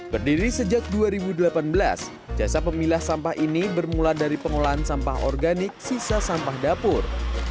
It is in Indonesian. berdiri sejak dua ribu delapan belas jasa pemilah sampah ini bermula dari pengolahan sampah organik sisa sampah dapur